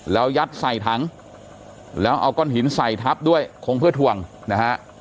แล้วยัดใส่ถังแล้วเอาก้อนหินใส่ทับด้วยคงเพื่อทวงนะฮะ